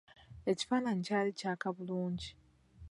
Ekifaananyi kyali kyaka bulungi.